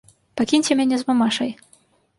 Пакіньце мяне з мамашай.